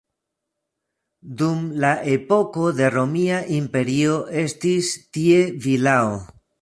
Dum la epoko de Romia Imperio estis tie vilao.